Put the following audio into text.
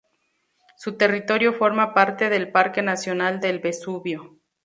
Su territorio forma parte del Parque nacional del Vesubio.